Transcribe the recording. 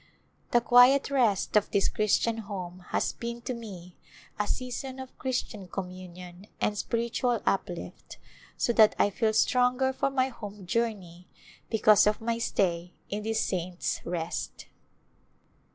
The quiet rest of this Christian Home has been to me a season of Christian communion and spiritual up lift, so that I feel stronger for my home journey be cause of my stay in this " Saints' Rest."